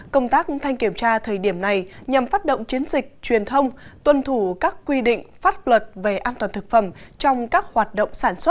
công tác thanh kiểm tra thời điểm này nhằm phát động chiến dịch truyền thông tuân thủ các quy định pháp luật về an toàn thực phẩm trong các hoạt động sản xuất